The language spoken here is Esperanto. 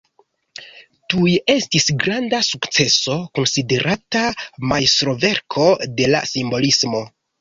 Tuj estis granda sukceso, konsiderata majstroverko de la simbolismo.